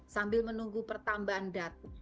sambil menunggu pertambahan datum